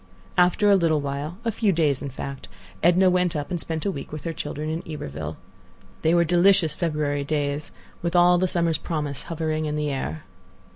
After a little while, a few days, in fact, Edna went up and spent a week with her children in Iberville. They were delicious February days, with all the summer's promise hovering in the air.